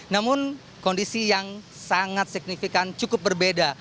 namun kondisi yang sangat signifikan cukup berbeda